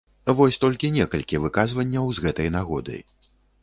Вось толькі некалькі выказванняў з гэтай нагоды.